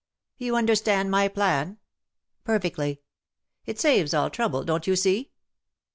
" You understand my plan V '' Perfectly .''" It saves all trouble, don't you see.""